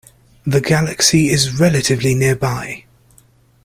The galaxy is relatively nearby.